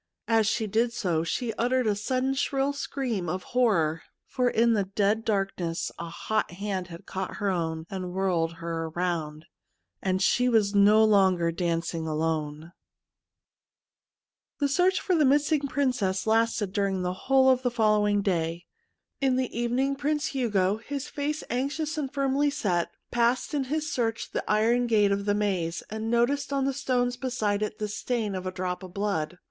As she did so she uttered a sudden shrill scream of horror, for in the dead darkness a hot hand had caught her own and whirled her round, and she was vo longer dancing alone. * K The search for the missing Prin cess lasted during the whole of the following day. In the evening Prince Hugo, his face anxious and firmly set, passed in his search the iron gate of the maze, and noticed on the stones beside it the stain of a drop of blood.